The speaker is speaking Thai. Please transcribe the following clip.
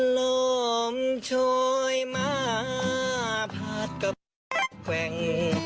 ลมช่วยมาพัดกับลูกแขวง